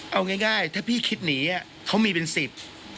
เอาง่ายถ้าพี่คิดหนีเขามีเป็นสิบ